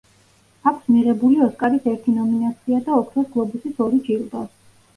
აქვს მიღებული ოსკარის ერთი ნომინაცია და ოქროს გლობუსის ორი ჯილდო.